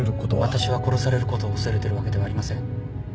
私は殺されることを恐れてるわけではありません。